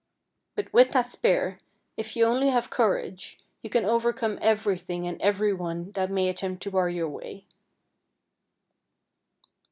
But with that spear, if you only 30 FAIKY TALES have courage, you can overcome everything and everyone that may attempt to bar your way."